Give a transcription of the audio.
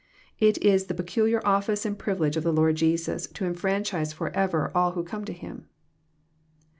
It is the peculiar office and privilege of the Lord Jesus, to enfranchise forever all who come to Him.